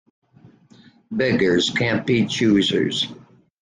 Beggars can't be choosers.